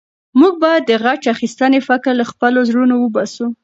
موږ باید د غچ اخیستنې فکر له خپلو زړونو وباسو.